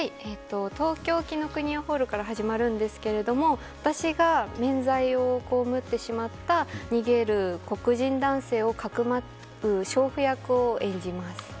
東京・紀伊国屋ホールから始まるんですが私が、冤罪をこうむってしまった逃げる黒人男性をかくまう娼婦役を演じます。